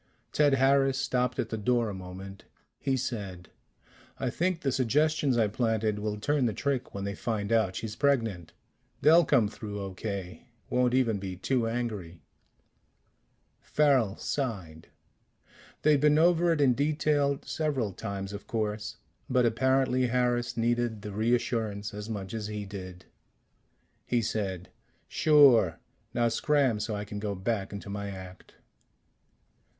Ted Harris stopped at the door a moment. He said, "I think the suggestions I planted will turn the trick when they find out she's pregnant. They'll come through okay won't even be too angry." Farrel sighed. They'd been over it in detail several times, of course, but apparently Harris needed the reassurance as much as he did. He said: "Sure. Now scram so I can go back into my act."